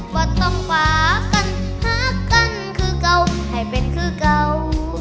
ก็ต้องฝากันหากันคือเก่าให้เป็นคือเก่า